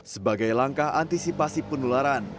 sebagai langkah antisipasi penularan